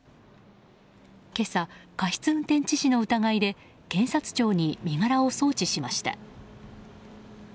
今朝、過失運転致死の疑いで検察庁に身柄を送致しました。